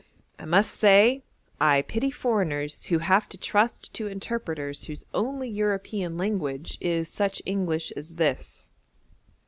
I must say I pity foreigners who have to trust to interpreters whose only European language is such English as this.